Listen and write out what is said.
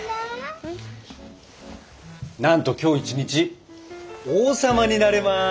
なんと今日一日王様になれます！